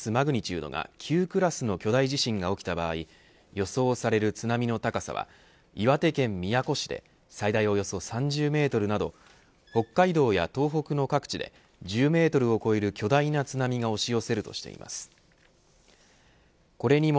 内閣府によりますと日本海溝と千島海溝沿いで地震の規模を示すマグニチュードが９クラスの巨大地震が起きた場合予想される津波の高さは岩手県宮古市で最大およそ３０メートルなど北海道や東北の各地で１０メートルを超える巨大な津波が押し寄せるとしています。